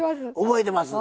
覚えてます！